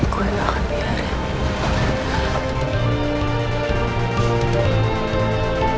gue gak akan biarin